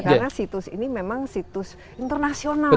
karena situs ini memang situs internasional ya